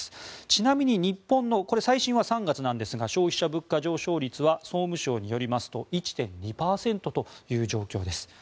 ちなみに日本の最新は３月ですが消費者物価上昇率は総務省によりますと１．２％という状況です。